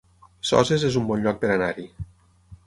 Soses es un bon lloc per anar-hi